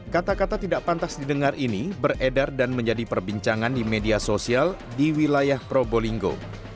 kata kata tidak pantas didengar ini beredar dan menjadi perbincangan di media sosial di wilayah probolinggo